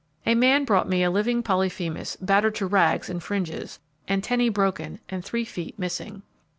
A man brought me a living Polyphemus battered to rags and fringes, antennae broken and three feet missing.